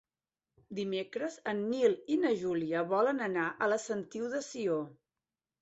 Dimecres en Nil i na Júlia volen anar a la Sentiu de Sió.